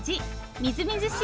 みずみずしい